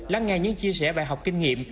lắng nghe những chia sẻ bài học kinh nghiệm